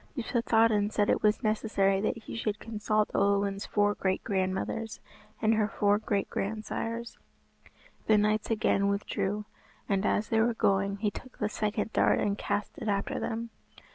Yspathaden said it was necessary that he should consult Olwen's four great grandmothers and her four great grand sires. The knights again withdrew, and as they were going he took the second dart and cast it after them.